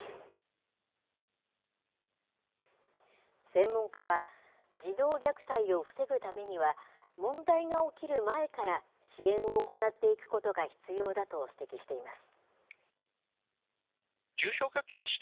専門家は児童虐待を防ぐためには問題が起きる前から支援を行っていくことが必要だと指摘しています。